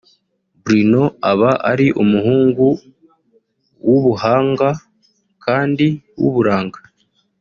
Bruno aba ari umuhungu w’umuhanga kandi w’uburanga